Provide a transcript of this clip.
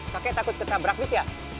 kakek takut kita berhabis ya